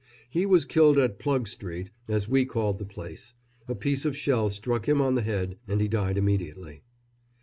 He was killed at "Plug Street," as we called the place. A piece of shell struck him on the head and he died immediately.